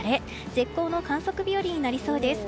絶好の観測日和になりそうです。